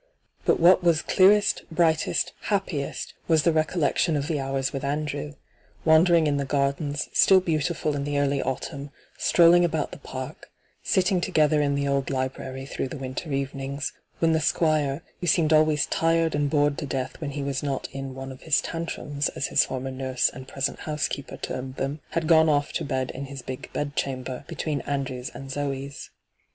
But what was clearest, brightrat, happiest, was the recollec tion of the hours with Andrew — wandering in the gardens, still beautiful in the early autumn, strolling about the park, sitting together in the old library through the winter evenings, when the Squire, who seemed always tired and bored to death when he was not in ' one of his tantrums,* as his former nurse and present housekeeper termed them, had gone off to bed in his big bedchamber between Andrew's and Zoe's.